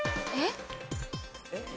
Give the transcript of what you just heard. えっ？